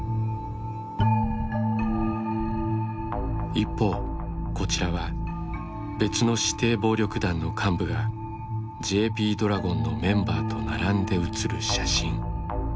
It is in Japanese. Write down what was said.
一方こちらは別の指定暴力団の幹部がＪＰドラゴンのメンバーと並んで写る写真。